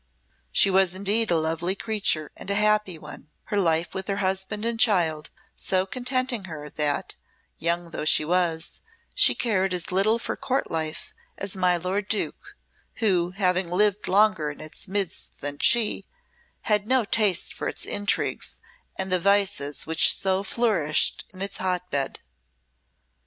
She was indeed a lovely creature and a happy one, her life with her husband and child so contenting her that, young though she was, she cared as little for Court life as my lord Duke, who, having lived longer in its midst than she, had no taste for its intrigues and the vices which so flourished in its hot bed.